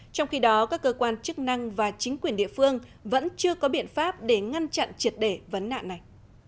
trong khi đó các cơ quan chức năng và chính quyền địa phương vẫn chưa có biện pháp để ngăn chặn triệt để vấn nạn này